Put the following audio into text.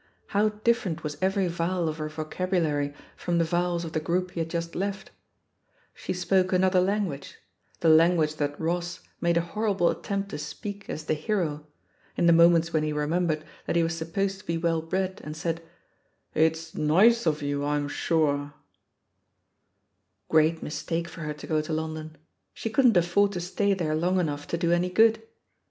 How different was every vowel of her vocabulary from the vowels of the group he had just left I She spoke another IsiXigVLSLge — ^the language that Ross made a Hor rible attempt to speak as the hero, in the mo ments when he remembered that he was supposed to be well bred and said, "It's naice of you, I'm shoeahl" Great mistake for her to go to London — ^she couldn't afford to stay there long enough to do any good!